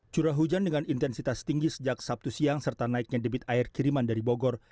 curah hujan dengan intensitas tinggi sejak sabtu siang serta naiknya debit air kiriman dari bogor